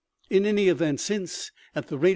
In any event, since, at the rate OMEGA.